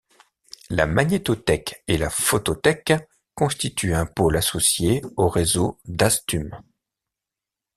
La magnétothèque et la photothèque constituent un pôle associé au réseau Dastum.